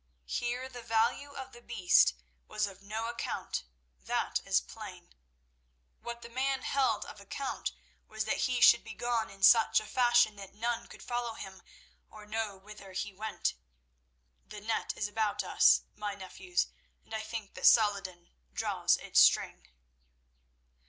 "Here the value of the beast was of no account, that is plain. What the man held of account was that he should be gone in such a fashion that none could follow him or know whither he went. The net is about us, my nephews, and I think that Saladin draws its string."